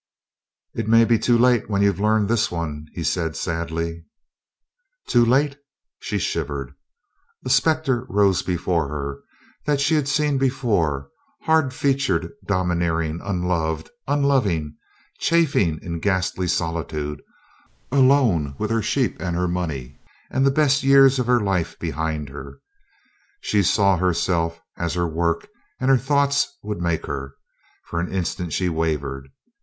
"It may be too late when you've learned this one," he said sadly. "Too late!" She shivered. A specter rose before her that she had seen before hard featured, domineering, unloved, unloving, chafing in ghastly solitude, alone with her sheep and her money, and the best years of her life behind her. She saw herself as her work and her thoughts would make her. For an instant she wavered.